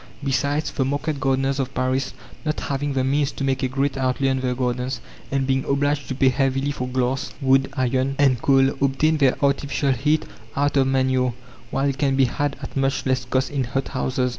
Besides, the market gardeners of Paris, not having the means to make a great outlay on their gardens, and being obliged to pay heavily for glass, wood, iron, and coal, obtain their artificial heat out of manure, while it can be had at much less cost in hothouses.